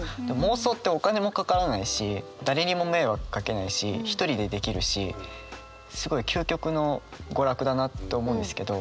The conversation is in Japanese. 妄想ってお金もかからないし誰にも迷惑かけないし一人でできるしすごい究極の娯楽だなと思うんですけど。